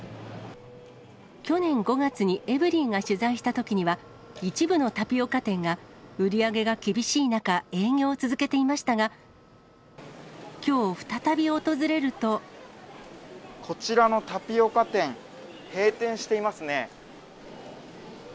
去年５月にエブリィが取材したときには、一部のタピオカ店が、売り上げが厳しい中、営業を続けていましたが、きょう、再び訪れこちらのタピオカ店、閉店していますね。